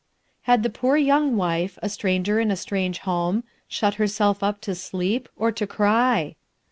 Had the P«W yoong wjfc, a stranger in a strange homo, shut herself up t Q sleep, or to cry